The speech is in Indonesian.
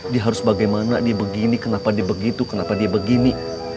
dia harus bagaimana dia begini kenapa dia begitu kenapa dia begini